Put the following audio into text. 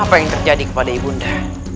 apa yang terjadi kepada ibu nda